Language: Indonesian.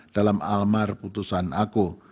dalam almar putusan aku